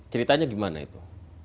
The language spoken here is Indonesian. ceritanya gimana itu